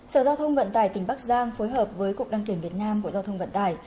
sở giao thông vận tải tỉnh bắc giang phối hợp với cục đăng kiểm việt nam bộ giao thông vận tải